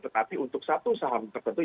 tetapi untuk satu saham tertentu